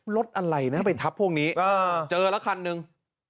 รถอะไรนะไปทับพวกนี้เจอแล้วคันหนึ่ง